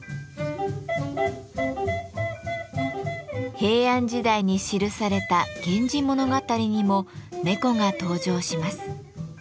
平安時代に記された「源氏物語」にも猫が登場します。